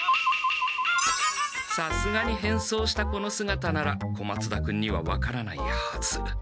さすがにへんそうしたこのすがたなら小松田君には分からないはず。